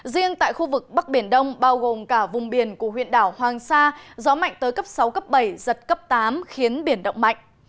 riêng tại khu vực bắc biển đông bao gồm cả vùng biển của huyện đảo hoàng sa gió mạnh tới cấp sáu cấp bảy giật cấp tám khiến biển động mạnh